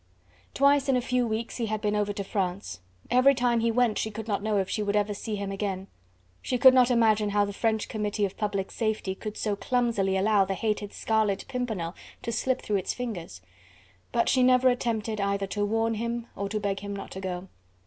Twice in a few weeks he had been over to France: every time he went she could not know if she would ever see him again. She could not imagine how the French Committee of Public Safety could so clumsily allow the hated Scarlet Pimpernel to slip through its fingers. But she never attempted either to warn him or to beg him not to go.